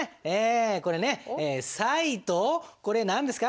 これね「サイ」とこれ何ですか？